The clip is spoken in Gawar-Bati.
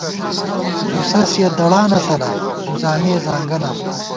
زُوسَسِیَہ دڑانہ تلا ، زُوزامِیہ ځانگلاں